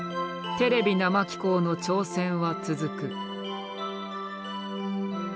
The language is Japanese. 「テレビ生紀行」の挑戦は続く。